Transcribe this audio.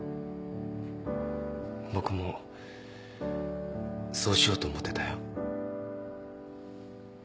僕もそうしようと思ってたよ